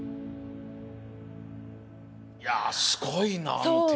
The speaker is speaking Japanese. いやすごいなあの手。